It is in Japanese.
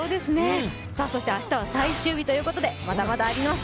明日は最終日ということで、まだまだあります。